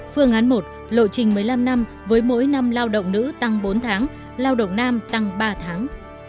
phương án một lộ trình một mươi năm năm với mỗi năm lao động nữ tăng bốn tháng lao động nam tăng ba tháng